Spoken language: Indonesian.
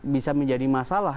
bisa menjadi masalah